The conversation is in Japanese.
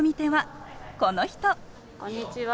こんにちは。